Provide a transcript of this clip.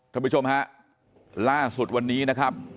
ท่านผู้ชมฮะล่าสุดวันนี้นะครับ